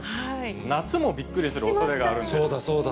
夏もびっくりするおそれがあるんそうだそうだ。